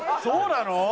そうなの？